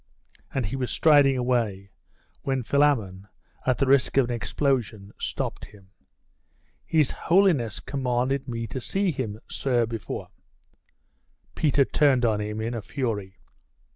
And he was striding away, when Philammon, at the risk of an explosion, stopped him. 'His holiness commanded me to see him, sir, before ' Peter turned on him in a fury.